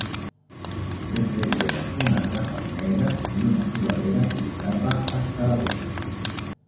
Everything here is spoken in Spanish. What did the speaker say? Siempre lleva unas gafas negras y una sudadera que le tapa hasta la boca.